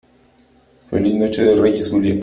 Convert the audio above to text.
feliz noche de Reyes , Julia .